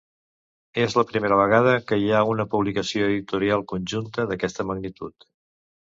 És la primera vegada que hi ha una publicació editorial conjunta d’aquesta magnitud.